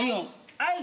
はい。